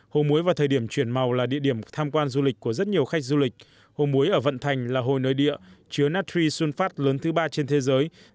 hồ muối và thời điểm chuyển màu là địa điểm tham quan du lịch của rất nhiều khách du lịch hồ muối ở vận thành là hồ nơi địa chứa natri xuân phát lớn thứ ba trên thế giới